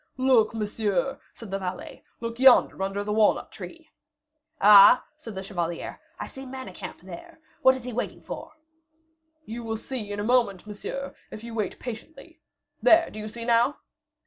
"Look, monsieur," said the valet, "look yonder, under the walnut tree." "Ah?" said the chevalier. "I see Manicamp there. What is he waiting for?" "You will see in a moment, monsieur, if you wait patiently. There, do you see now?"